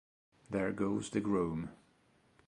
There Goes the Groom